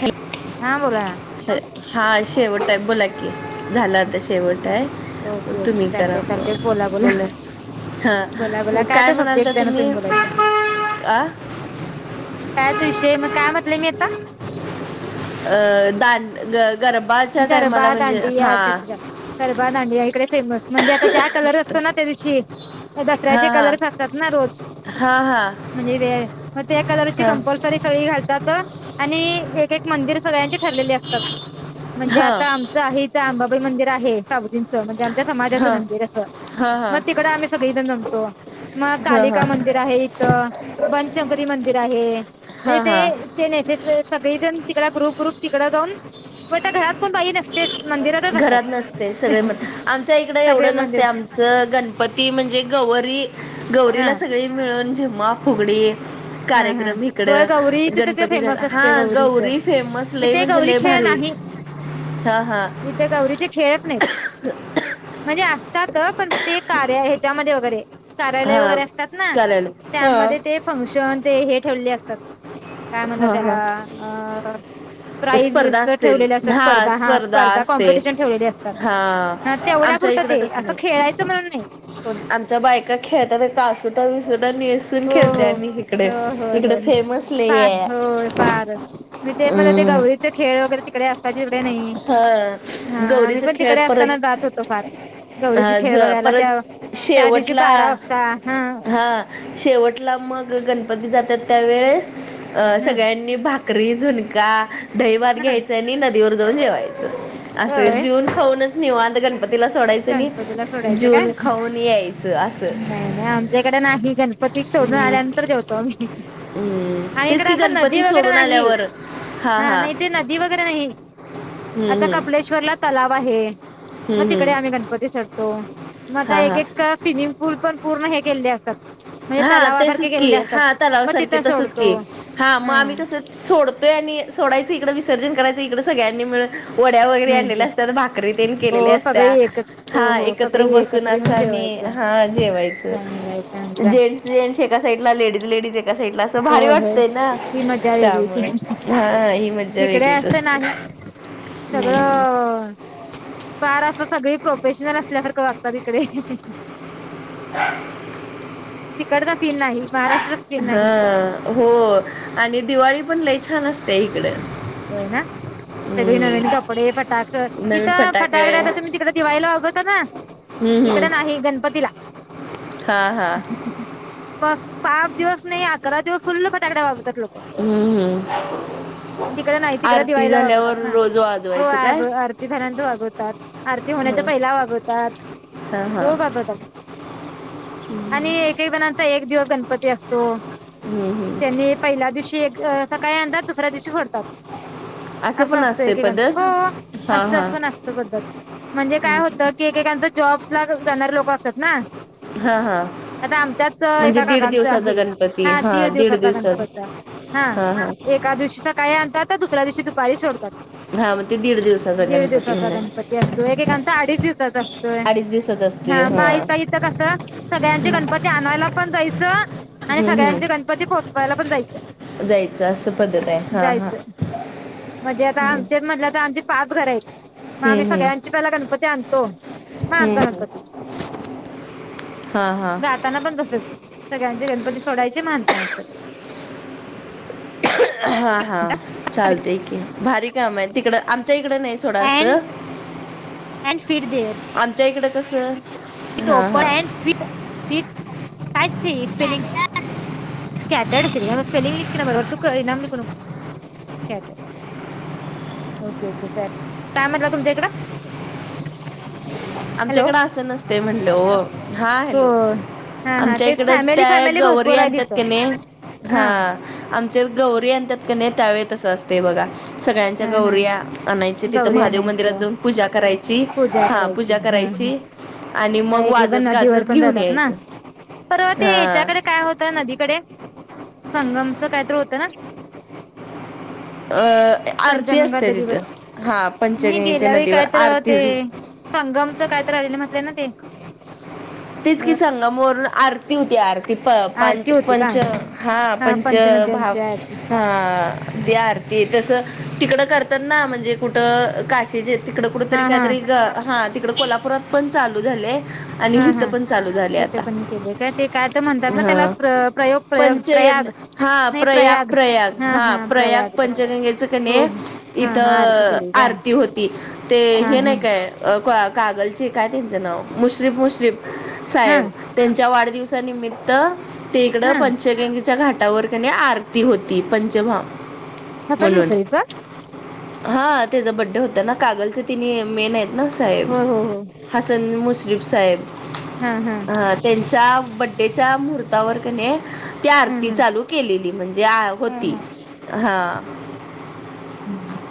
Hello हा बोला -हॅ हा शेवट हाय, बोला की. [inaudible] ओके झालं आता शेवट आहे, ओके ओके तुम्ही करा चालतय म चालतय बोला [inaudible] हा बोला बोला मग काय तर सब्जेक्ट म्हणालता द्या ना तुम्ही बोलायचा आ? [inaudible] कायाचा विषय मग काय म्हटलंय मी आता. अ दांड- गरबाच्या टाइमाला गरबा म्हणजे दांडिया हा अच्छा [inaudible] अच्छा गरबा, दांडिया इकडे फेमस म्हणजे आता त्या कलर असतो ना त्या दिवशी. दसऱ्याचे कलर्स असतात ना रोज. हा- हा. [inaudible] म्हणजे वेळ म त्या कलरची कंपल सरी सगळी घालतात, आणि एक -एक मंदिर सगळ्यांची ठरलेली असतात. म्हणजे हां आता आमचं आहे इथे अंबाबाई मंदिर आहे साबुजींचं म्हणजे आमच्यात समाजाच हां मंदिर अस हां हां मग तिकड आम्ही सगळीजण जमतो मग हां हां कालिका मंदिर र आहे इथ बनशंकरी मंदिर आहे म्हणजे हां हां ते ते नेसेसर सगळीजण तिकड ग्रुप- ग्रुप तिकडं जाऊन. बट घरात कोण बाई नस [unintelligible] घरात नसते सगळे म्हण, आमच्या इकडं सगळे एवढं मंदिर नसतस आमचं गणपती म्हणजे गवरी [inaudible] हा गौरीला सगळी मिळून झिम्मा, फुगडी [inaudible] हा हा कार्यक्रम इकड होय गौरीच तर ते गणपती झाला, फेमस असतंय हा गौरीचं गौरी फेमस [inaudible] लेय इथे म्हणजे गौरी लय खेळ भारी नाही हा- हा [inaudible] इथे गौरीचे खेळच नाहीत, म्हणजे आ [inaudible] असतात पण ते कार्या- ह्याच्यामध्ये वगैरे कार्यालय हा वगैरे असतात ना चालेल हा त्यामध्ये ते फंक्शन ते हे ठेवलेले असतात. काय हा म्हणतात हा याला? अ स्पर्धा प्राईजज असतील ठेवले असतात स्पर्धा हा स्पर्धा असते कॉमपिटिशन ठेवलेले असतात. हा हा तेवढ्या आमच्या पुरत इकडं ते तसं असं नाही खेळायचं म्हणून नाही. कोण आमच्या बायका खेळत्याता कासुटा -विसुटा नेसू नेसून हो खेळतय आम्ही हिकड, हो हो होय हिकड होय फेमस लेय फार हाय. होय फार मी ते मला ते, गौरीचे खेळ वगैरे तिकडे अस आता तिकडे नाही, हा हा आम्ही गौरीचा पण खेळ तिकडे असताना परत जात होतो फार. गौरीची अ खेळ ज बघायला त्या- परत त्या दिवशी शेवटला बारा वाजता हा. हा शेवटला मग गणपती जात्यात त्यावेेळेस अ हा सगळ्यांनी भाक री, झुणका, दहीभात हा घ्यायच आणि नदीवर जाऊन जेवायचं. असं होय जीऊन -खाऊनच निवांत गण पतीला सोडायचं आणि गणपतीला सोडायचं काय जीऊन- खाऊन यायचं अस. पतिक सोडून आल्यानंतर जेवतो आम्ही. [inaudible] हम्म आणि तेच इकड की असं नदी गणपती वगैरे सोडून नाही, आल्यावर हा नाही ते नदी वगैरे नाही. हम्म- हम्म. केश्वरला तलाव आहे. मग हम्म तिकडे आम्ही हम्म गणपती सोडतो, मग आता हा एक- हा एक स्विमिंग पूल पण पूर्ण हे केलेले असतात. म्हणजे हा तलावासारखे तेसच की केलेले असतात हा मग तलावासारखे तिथं तसच की सोडतो हा मग आम्ही कस सोडतोय आणि सोडायचं इकडे विसर्जन करायचं. इकडं सगळ्यांनी मिळून वड्या वगैरे म्हणजे आणलेल्या असतात. भाकरी तेन हो केलेल्या सगळे असत्या एक हो हा हो सगळे एकत्र बसून एकत्र अस येऊन आम्ही जेवायचं हा जेवायच चांगलं आहे चांगलं जेंट्स एका साईड ला लेडीज लेडीज एका साइड ला असं हो भारी होय होय. वाटते ना ती त्यामुळे, हा एम इकडे असं नाही. सगळं फार अस सगळी प्रोफेशनल असल्यासारखं वागतात. इकडे ह [unintelligible] तिकडचा फील नाही. महाराष्ट्र सीन नाही हा हो आणि दिवाळी पण लई छान असते इकडे. होय नां. सगळी नवीन कापडे फटाक नवीन इथं फटाके फटाकड्या तुम्ही तिकड दिवाळीला वाजवतो नां. हम्म इकड हम्म नाही. गणपतीला, हा हा बस पाच दिवस नाही. अकरा दिवस फुल्ल फटाकड्या वाजवतात लोक. हम्म. तिकडे नाही तिकड आरती दिवाळीला वाजवतात झाल्यावर ना. रोज हो. वाजवायचं काय आगं, आरती झाल्यां नंतर वागवतात. आरती हो होण्याचा पहिला वागवतात. हा हा धुहू का आता. आणि एकेक जणांत. एक दिवस गणपती असतो त्यांनी पहिल्या दिवशी एक अ सकाळी आणतात. दुसऱ्या दिवशी सोडतात. असं पण असतंय. असते पद्धत एकेकाच हा असं हा पण असतं. पद्धत म्हणजे काय होतं ते एकेकांच जॉबला जाणारी लोक असतात ना. हा हा. आता आमच्यात म्हणजे एका दीड काकांचा दिवसाचा गणपती आहेहा हा दीड दिवसाचा दिवसात गणपती आहे हं. हा हा एका दिवशी सकाळी आणतात. दुसऱ्या दिवशी दुपारी सोडतात. हा मग ते दीड दिवसाचा दीड गणपती दिवसाचा म्हणे गणपती असतो एकेकांचा अडीच दिवसाचा असतोय. ते हा मग हां. इथं कसं सगळ्यांचे गणपती आणायला पण जायचं. आणि हम्म सगळ्यांचे हम्म गणपती पोहचवायला पण जायचं. जायचं असं पद्धत आहे हा हा जायचं म्हणजे आता आमचे म्हणलं आता आमची पाच घर आहेत. मग आम्ही हम्म सगळ्यांची पहिला गणपती आणतो. म हम्म आमचा हम्म गणपती. हा हा जा ताना पण तसंच. सगळ्यांचे गणपती सोडायचे म आमचा गणपती हा हा चालतयं. की भारी काम आहे. तिकडं आमच्या इकडं नाही. थोडास अँड अँड फीड आमच्या इकडं कसं. इथं हा ओपण हा अँड सीट सीट काय ची स्पेलिंग? स्कॅटड सिलॅबस स्पेलिंग लिख की नां बरोबर तू कळेना मी स्कॅटड ओके ओके चाल काय म्हटलं तुमच्या इकडं आमच्या हॅलो इकडं असं नसतयं म्हणलं ओ. हा हो हॅलो, हा हा आमच्या तेच इकडं फॅमिली त्या फॅमिली गौरी भरपूर आहे आणत्यात तिथं कणी, हा आमच्यात गौरी आणत्यात का नाही त्यावेेळेस तसं असतंय बघा. सगळ्यांच्या हा हा गौऱ्या आणायची तिथं गौरी महादेव मंदिरात आणायचं जाऊन पूजा करायची. पूजा हा. करायची पूजा हा करायची आणि हा मग एक पण वाजत नदीवर गाजत पण घेऊन जातात ना यायचं. परवा ते हा ह्याच्याकडे काय होतं नदीकडे संगमच कायतरं होतं ना. अ आरती पंचगंगा असते. नदीवर तिथं हा पंचगगेच्या नदीवर आरती होती. संगमच काय तर आलेलं म्हटलं ना ते. तेच की अ संगम वरून आरती होती. आर ती प पान पंच आरती होती का पंच हा पंच भाग पंचनद्यांची आरती हा ते हा आर ते तसं, तिकडं करतात ना म्हणजे कुठं काशीचे तिकडं कुठंतरी हा हा काहीतरी ग हा तिकडं कोल्हापुरात पण चालू झालंय, आणि इथं पण चालू झालंय. इथं पण केले काय? ते काय तर म्हणतात ना त्याला, हा प्र प्रयोग प्रयोग पंचयज्ञ प्रयाग. हा प्रयाग प्रयाग, हा प्रयाग पंचगंगेचं की हो ने हो हा हा आरती इथं केली आर काय ती होती, ते हा हे हा नाही काय, अ का कागलचे काय त्यांच नाव मुश्रीफ मुश्रीफ. हा साहेब त्यांच्या वाढदिवसानिमित्त ते इकडं हा पंचगंगे च्या घाटावर की नी आरती होती, पंचभा हसन म्हणून मुसळी का हा त्याचा बड्डे होता ना, कागलचे त्यानी मेन आहेत ना साहेब. हो हो हो हसन मुश्रीफ साहेब. हम्म हम्म हा त्यांच्या बड्डेच्या मुहूर्तावर क नाय ती हा आरती हा चालू केलेली, म्हणजे हा होती हा हा.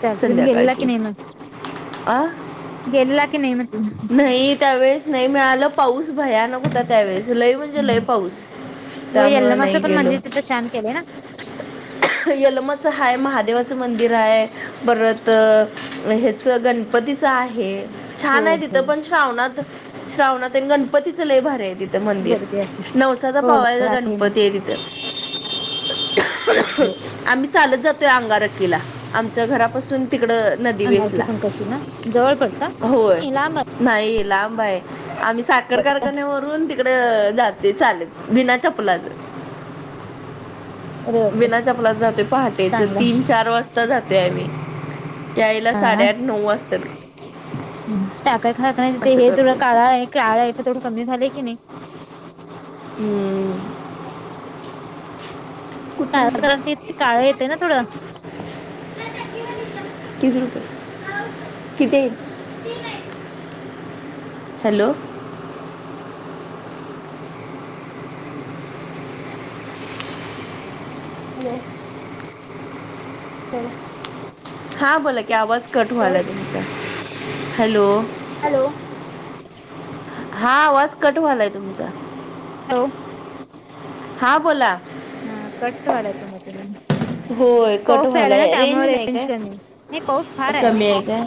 त्या आरतीला गेलेला की नाय मग? अ गेलेला की नाहीे म्हटलं? नाही त्यावेळेस नाही मिळालं, पाऊस भयानक होता. त्यावेळेस लयं म्हणजे लयं पाऊस, हो त्यामुळं यल्लमाचं नाही पण गेलो. मंदिर तिथं छान केलंय ना [unintelligible] यल्लम्माचं हाय महादेवाचं मंदिर आहे परत हे च गणपतीचं आहे. हो छान आहे तिथं हो पण, श्रावणात श्रावणात आणि गणपतीचं लय भारी आहे तिथं. ते मंदिर जगदी असते नवसाचा हो हो पावायचा ना गणपती आहे तिथं. हो हो आम्ही चालत जातोय अंगारकीला, आमच्या घरापासून तिकडं नदी अंगारकी वेसला संकष्टी ना. जवळ पडतं? होय नाय लांब नाही लांब आहे, आम्ही साखर आहे. कारखान्याव रून तिकडं जाते चालत बिना चपलाच. अरे बापरे बिना चपलाच जातोय पहाटेच, चांगलंय तीन चार वाजता जातेय आम्ही. यायला साडेआठ नऊ वाजतेत. हम्म हम्म, साखर कारखाना आहे तिथं असं हे थोडं करतोय काळा आहे काळा आहे थोडं कमी झालंय की नाही हम्म कुठनं आल्या [unintelligible] काळं येते ना थोडं. [unintelligible] किती रुपये, किती हाय? हॅलो! हॅलो! हॅलो! हा बोला की, आवाज कट हॅलो व्हालाय तुमचा, हॅलो! हॅलो! हा आवाज कट व्हलाय तुमचा. हो हा बोला. हम्म, कट्ट व्हायलंय तुमाच्या कडून. होय कट व्हायलंय. रेंज नाही काय, कमी आहे नाही पाऊस फार कमी आहे काय?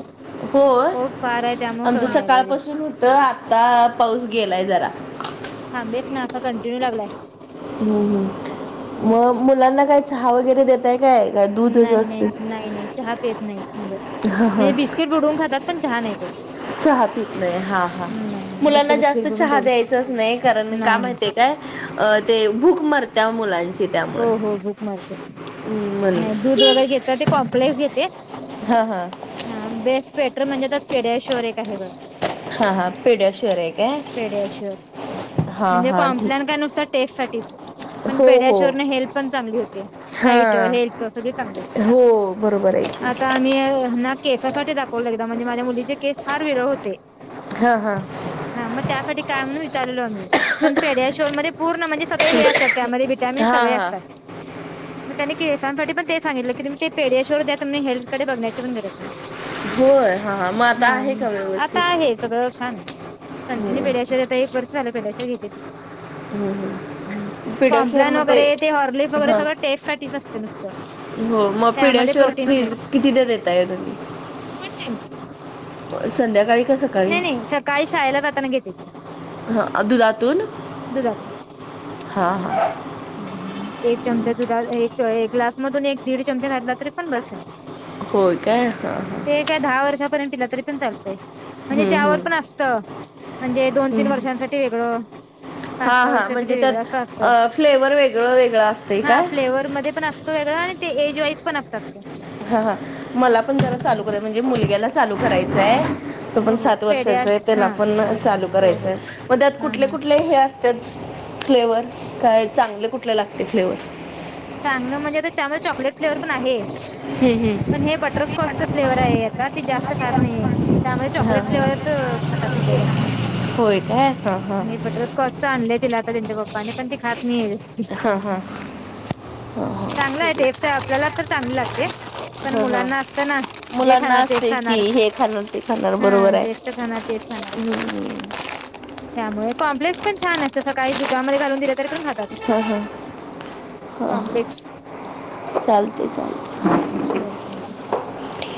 हो? पाऊस फार आहे त्यामुळे आमचं कमी आले सकाळपासून होतं आता पाऊस रेंज गेलाय जरा. थांबेच ना असा कंटिन्यू लागलाय. हम्म हम्म, मग मुलांना काय चहा वगैरे देेताय काय का? नाही नाही नाही नाही, चहा पेत नाहीत मुलं, हा हा म्हणजे बिस्किट बुडवून खातात पण चहा नाही पेत. चहा पीत नाही, हा हा नाही नाही फक्त मुलांना जास्त बिस्किट बुडवून चहा तेवढंच द्यायचाच नाही, कारण का नाही नाही माहितये काय? अ ते भूक मरत्या मुलांची. हो त्यामुळं हो भूक मरते, हम्म नाय म्हणून दूध वगैरे घेतात ते कॉम्प्लेक्स घेते. हा, हा हा बेस्ट पेटर म्हणजे, त्यात पेड्याशिवर एक आहे गं. हा, हा पिड्याशअर आहे काय? पेड्याश्युअर हा म्हणजे, हा कॉम्प्लॅन ठीक काय नुसता टेस्ट साठीच, पण हो पेड्या हो चुरन हेल्थ पण चांगली होते, हाईट, हा हेल्थ, सगळी चांगली होते. हो बरोबर आहे की आता मी ना, केसासाठी दाखवलं एकदा, म्हणजे माझ्या मुलीचे केस फार वेरळ होते. हा, हा, हा मग त्यासाठी काय म्हणून विचारलेलो आम्ही, पण पेड्याशोर मध्ये पूर्ण म्हणजे सगळे हे असतात, त्यामध्ये विटॅमिन हा सगळे असतात. [unintelligible] मग त्यांनी केसांसाठी पण ते सांगितलं, कि तुम्ही ते पेडयाशोर द्या, हेल्थकडे बघण्याची पण गरज नाही. होय हा हा मग आता आहे का हा, आता व्यवस्थित आहे, सगळं छान आहे. कंटिन्यू [unintelligible] एक वर्ष झाला [unintelligible] घेत्या ती, हम्म, हम्म, कॉम्प्लॅन, वगैरे ते होर्लिक्स, वगैरे सगळं टेस्टसाठीच असते नुसतं. हो, मग त्यामध्ये पीडयाशुर प्रोटीन्स नाही किती दा देताय तुम्ही? वन टाइम, संध्याकाळी का सकाळी नाही-नाही सकाळी शाळेला जाताना घेते ती. हा दुधातून दुधातून हा, हा, एक चमचा, दुधा एक -एक ग्लास मधून एक दीड चमचा घातलातरी पण बस होय काय हा, हा ते काय, दहा वर्षापर्यंत पिला तरी पण चालतय. म्हणजे हम्म, त्यावर पण हम्म. असत, म्हणजे दोन, तीन, वर्षांसाठी वेगळं. पाच, हा सहा, हा वर्षासाठी म्हणजे वेगळं त्यात असअसत, फ्लेवर वेगळं वेगळं असतंय हा काय फ्लेवर मध्ये पण असत. तो वेगळा आणि, ते एज वाईज पण असतात ते, हा, हा मला पण जरा चालू कराय म्हणजे, मुलग्याला चालू करायचंय. तो पण हो हो सात पेड्या वर्षाचा आहे, त्याला हा पण चालू हो हो करायचंय मग त्यात हा हा कुठले-कुठले हे अस त्यात फ्लेवर काय चांगले, कुठले लागते फ्लेवर? चांगलं म्हणजे तर, त्याच्यामध्ये चॉकलेट फ्लेवर पण आहे. हम्म, हम्म, पण हे, बटरस्कॉचच फ्लेवर आहे, आता ती जास्त खात नाहीे. त्यामध्ये, हां चॉकलेट हां फ्लेवरच खातात म्हणजे जास्त, हा, हा, हा, कोच आणलं तीला, आता त्यांच्या पप्पाने पण ते खात नाहीय. हा, हा, हा, हा ठीक आहे. ते आपल्याला तर चांगली लागते. पण हां मुलांना असतना जे मुलांना खाणार तेच असते की खाणार हे खाणार ते खाणार ह बरोबर [unintelligible] आहे [unintelligible] खाणारच असत त्यामुळे, कॉम्प्लेक्स पण छान असत सकाळी दुधामध्ये घालून दिलं तरी पण खातात. हा, ह, ह, कॉम्प्लेक्स ह चालते चालत. ह, ह,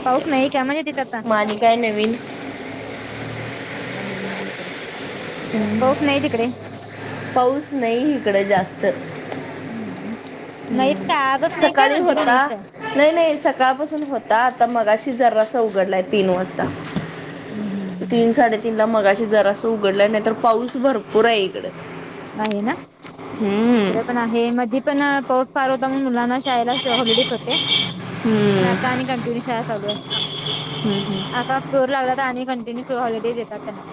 पाऊस नाही का, म्हणजे तिथे आता, म आणि काय नवीन? [unintelligible] पाऊस नाही तिकडे पाऊस नाही इकडे जास्त. हम्म, नाहीतका आजच नाही, काय सकाळी कंटिन्यू नाहीच होता आहे? नाही, नाही सकाळपासून होता. आता मगाशी जरासा उघडलाय तीन वाजता. हम्म तीन हम्म साडेतीन ला मगाशी जरास उघडल्या, नाही तर पाऊस भरपूर आहे इकडे. आहे ना इकडं पण हम्म आहे मध्ये पण पास फार होता मग मुलांना शाळेला हॉलिडेज होते पण आता हम्म आणि कंटिन्यू शाळा चालू आहे. असा फ्लोर लागला आणि कंटिन्यू हॉलिडेज देतात त्यांना.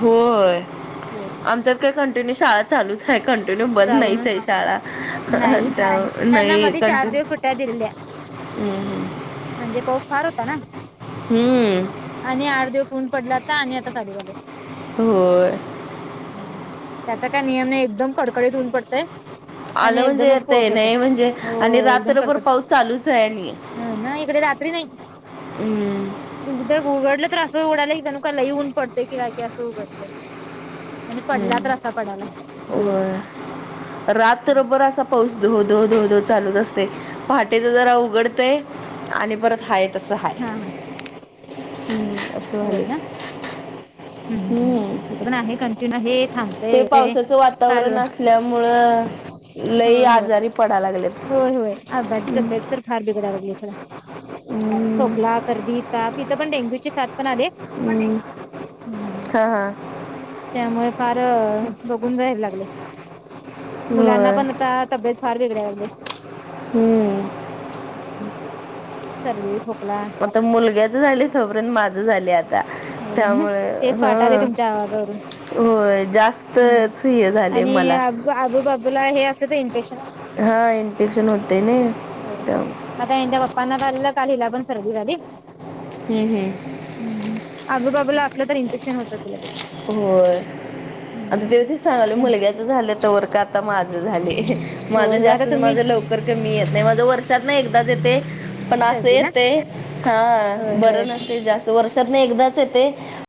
होय होय आमच्यात काय कंटिन्यू शाळा चालूच आहे कंटिन्यू बंद नाहीच चालून आहे शाळा त्या नाही कंटिन्यू कधी रल्या हम्म-हम्म म्हणजे पाऊस फार होता ना. हम्म आणि आठ दिवस ऊन पडला आता आणि आता लीवाले हो त्याचा काय नियम नाही एकदम कडकडीत होऊन पडतय आलं म्हणजे आता हे नाही म्हणजे आणि हो रात्रभर पाऊस चालूच आहे आणि नाही इकडे रात्री नाही हम्म एकदा उघडलं तर असं उडाय की जणू काय लई ऊन पडतेय की काय असं उघडतं. आणि पडला हम्म. असा पडाला होय रात्रभर असा पाऊस धो-धो-धो-धो चालूच असते पहाटेच जरा उघडते आणि परत हाय. तस आहेय हा हा हम्म असं होय झालंय ना हम्म पण आहे कंटिन्यू हे थांब ते पावसाचं वातावरण असल्यामुळं लई होय होय आजारी पडा लागलेत होय होय आभारीच अ ब्यास तर फार बिघडायला लागली त्याला झोपला करदी इथं पण डेंग्यूची साथ पण आले हम्म. हम् हा हा त्यामुळे फार बघून जायला लागले मुलांना होय पण आता तब्येत फार वेगळे लागले हम्म हम् हम सर्दी खोकला आता मुलग्याच झालेत तो पर्यंत माझं झाले आता त्यामुळे ते हा वाटालय तुमच्या आवाजावरून होय हम्म जास्तच हे झाले आणि मला आब आबू बाबूला हे असलं तर इन्फेक्शन होतात. हा इन्फेक्शन होते न हो हो मग ह जाेव अप न बला खालीला बनसरलीली हम्म हम्म ह आजू बाजू ला आपलं तर इन्फेक्शन होतं तिला होय आता तेवती सांगल मुलग्याच झालं तर वर का आता माझं झाले माझं होय होय आता जास्त तुम्ही माझ लव कमी येत नाही माझं वर्षात ना एकदाच येते पण असं सर्दी ना येते हा होय होय. बरं नसते जास्त वर्षात नाही एकदाच येते